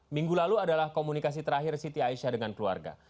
minggu lalu adalah komunikasi terakhir siti aisyah dengan keluarga